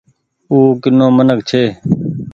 او ڪينو منک ڇي۔